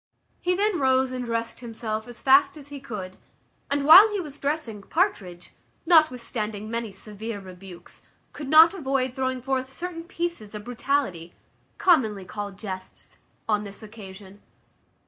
He then rose and dressed himself as fast as he could; and while he was dressing, Partridge, notwithstanding many severe rebukes, could not avoid throwing forth certain pieces of brutality, commonly called jests, on this occasion.